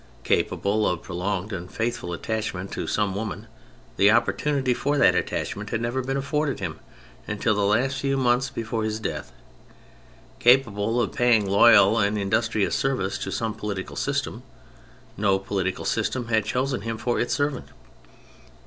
Capable of prolonged and faithful attachment to some woman, the opportunity for that attachment had never been afforded him until the last few months before his death. Capable of paying loyal and industrious service to some political system, no political system had chosen him for its servant.